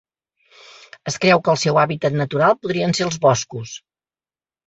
Es creu que el seu hàbitat natural podrien ser els boscos.